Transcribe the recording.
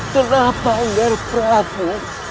kenapa nger prabu